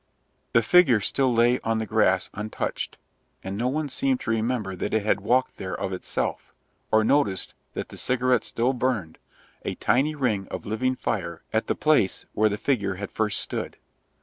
The figure still lay on the grass untouched, and no one seemed to remember that it had walked there of itself, or noticed that the cigarette still burned, a tiny ring of living fire, at the place where the figure had first stood.